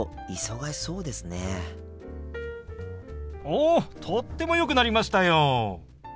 おとってもよくなりましたよ！